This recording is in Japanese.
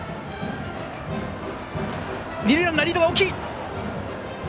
二塁ランナー、リードが大きい！